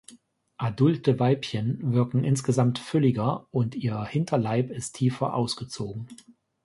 Adulte Weibchen wirken insgesamt fülliger und ihr Hinterleib ist tiefer ausgezogen.